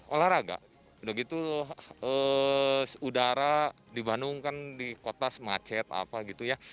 olahraga udah gitu udara di bandung kan di kota semacet apa gitu ya